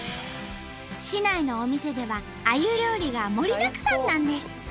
市内のお店ではあゆ料理が盛りだくさんなんです！